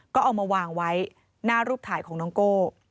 ก็เอามาวางไว้หน้ารูปถ่ายของน้องโก้